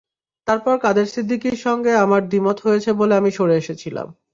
তারপর কাদের সিদ্দিকীর সঙ্গে আমার দ্বিমত হয়েছে বলে আমি সরে এসেছিলাম।